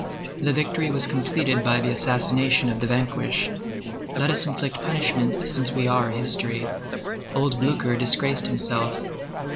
The victory was completed by the assassination of the vanquished. Let us inflict punishment, since we are history: old Blücher disgraced himself.